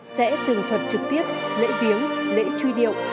sẽ tường thuật trực tiếp lễ viếng lễ truy điệu